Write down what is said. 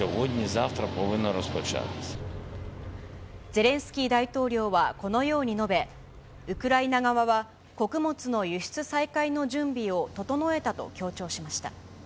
ゼレンスキー大統領はこのように述べ、ウクライナ側は穀物の輸出再開の準備を整えたと強調しました。